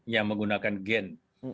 yang menggunakan gen